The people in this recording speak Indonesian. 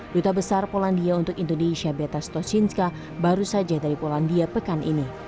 duta besar polandia untuk indonesia betastosinska baru saja dari polandia pekan ini